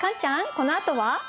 このあとは？